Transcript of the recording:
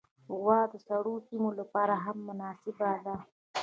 غوا د سړو سیمو لپاره هم مناسبه ده.